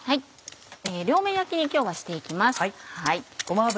両面焼きに今日はして行きます。